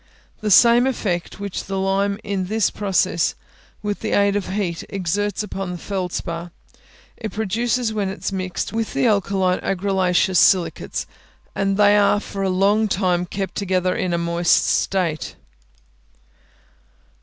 The same effect which the lime in this process, with the aid of heat, exerts upon the feldspar, it produces when it is mixed with the alkaline argillaceous silicates, and they are for a long time kept together in a moist state.